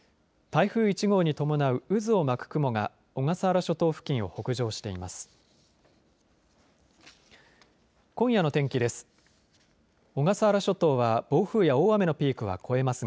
台風１号に伴う渦を巻く雲が小笠原諸島付近を北上しています。